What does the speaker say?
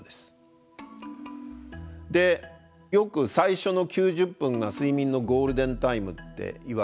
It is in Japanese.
でよく最初の９０分が睡眠のゴールデンタイムっていわれる。